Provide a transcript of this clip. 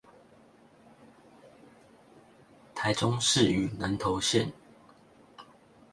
台中市與南投縣